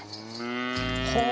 ほう。